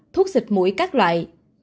bảy thuốc xịt mũi các loại